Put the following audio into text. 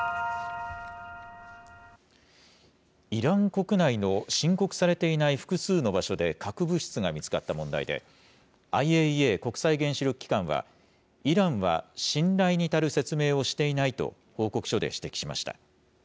イラン国内の申告されてない複数の場所で核物質が見つかった問題で、ＩＡＥＡ・国際原子力機関は、イランは信頼に足る説明をしていないと、報告書で指摘しました。